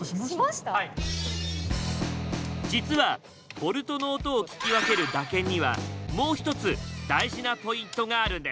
実はボルトの音を聞き分ける打検にはもう一つ大事なポイントがあるんです。